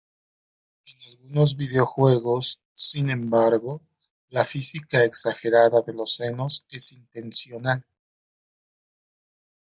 En algunos videojuegos, sin embargo, la física exagerada de los senos es intencional.